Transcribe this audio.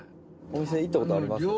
お店行った事あります？